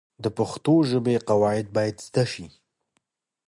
د پښتو ژبې قواعد باید زده سي.